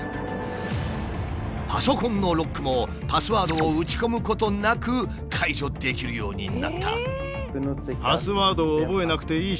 パソコンのロックもパスワードを打ち込むことなく解除できるようになった。